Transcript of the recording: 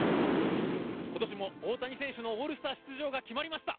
今年も大谷選手のオールスター出場が決まりました。